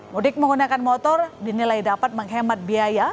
mudik menggunakan motor dinilai dapat menghemat biaya